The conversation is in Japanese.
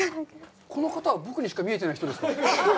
この方は、僕にしか見えていない人ですか！？